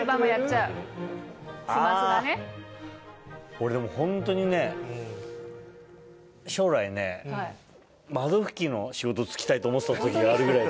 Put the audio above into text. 俺もうホントに将来ね窓拭きの仕事就きたいと思ってた時があるぐらいね。